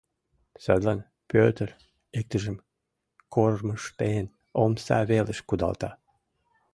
Садлан Пӧтыр, иктыжым кормыжтен, омса велыш кудалта.